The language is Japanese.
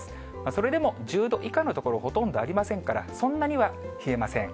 それでも１０度以下の所、ほとんどありませんから、そんなには冷えません。